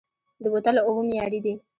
د بوتلو اوبه معیاري دي؟